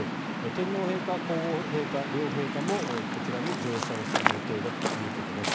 天皇陛下、皇后陛下両陛下もこちらに乗車するということです。